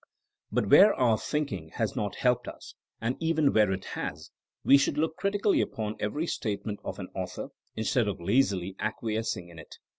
But where our thinking has not helped us, and even where it has, we should look critically upon every statement of an author, instead of lazily acquiescing in it.